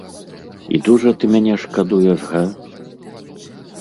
І дужа ты мяне шкадуеш, га?